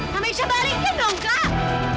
kamesha balikin dong kak